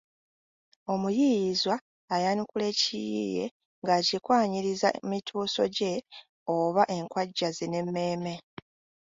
Omuyiiyizwa ayanukula ekiyiiye ng’akikwanyiriza mituuso gye oba enkwajja ze n'emmeeme.